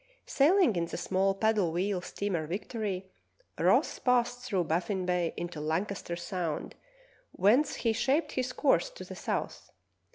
Sailing in the small paddle wheel steamer Fictory, Ross passed through Baffin Ba}^ into Lancaster Sound, whence he shaped his course to the south.